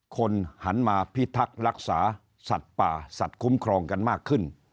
คนหันมาพิทักษ์รักษาสัตว์ป่าสัตว์คุ้มครองกันมากขึ้น